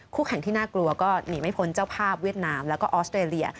แข่งที่น่ากลัวก็หนีไม่พ้นเจ้าภาพเวียดนามแล้วก็ออสเตรเลีย